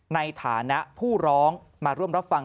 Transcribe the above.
ในฐานะผู้ร้องมาร่วมรับฟัง